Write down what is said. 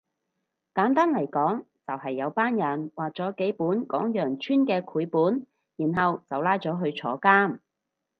簡單嚟講就係有班人畫咗幾本講羊村嘅繪本然後就拉咗去坐監